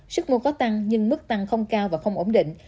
sức mua có tăng nhưng mức tăng không cao và không ổn định